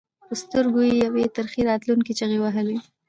په سترګو کې یې یوې ترخې راتلونکې چغې وهلې.